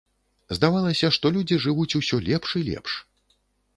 Здавалася, што людзі жывуць усё лепш і лепш.